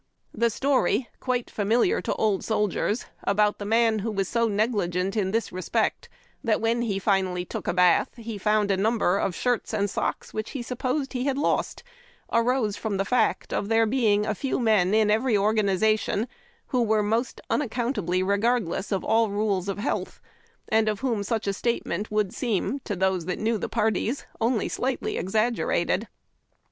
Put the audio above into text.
The story, quite familiar to old soldiers, about the man who was so negligent in this respect that when lie finally took a bath he found a number of shirts and socks wliich he supposed he had lost, arose from the fact of there being a few men in every /^%\ organization who were most unaccount ' &y ably regardless of all rules of health, and '^^ of whom such a statement would seem, to I »» those that knew tlie parties, only slightly exaggerated. A WOOD TICK.